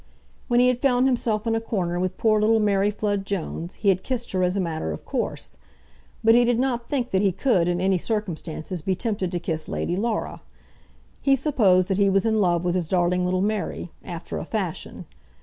When he had found himself in a corner with poor little Mary Flood Jones, he had kissed her as a matter of course; but he did not think that he could, in any circumstances, be tempted to kiss Lady Laura. He supposed that he was in love with his darling little Mary, after a fashion.